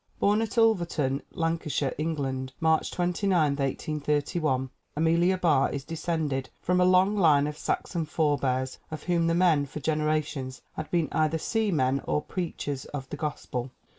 Born at Ulverton, Lancashire, England, March 29, 1831, Amelia Barr is descended from a long line of Saxon forebears, of whom the men for generations had been either seamen or preachers of the Gospel.